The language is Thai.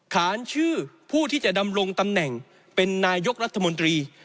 ขานชื่อผู้ที่จะดำรงตำแหน่งเป็นนายกรัฐมนตรี